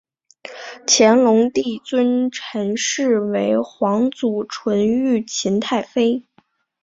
乾隆帝尊陈氏为皇祖纯裕勤太妃。